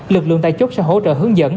lực lượng tại chốt sẽ hỗ trợ hướng dẫn